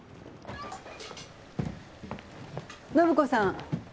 暢子さん。